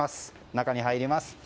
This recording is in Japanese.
中に入ります。